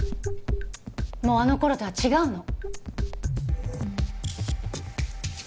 もうあの頃とは違うの。